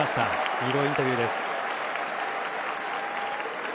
ヒーローインタビューです。